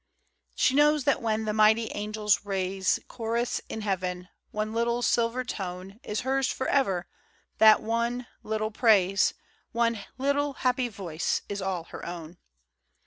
She knows that when the mighty Angels raise Chorus in Heaven, one little silver tone Is hers forever, that one little praise, One little happy voice, is all her own.